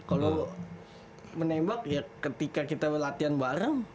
kalau menembak ya ketika kita latihan bareng